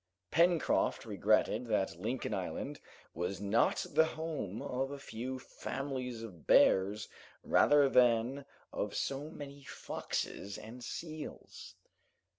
Pencroft regretted that Lincoln Island was not the home of a few families of bears rather than of so many foxes and seals.